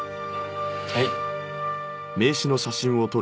はい。